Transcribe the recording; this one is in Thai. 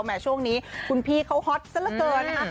แหม่ช่วงนี้คุณพี่เขาฮอตซะเหลือเกินนะคะ